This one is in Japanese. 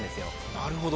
なるほど。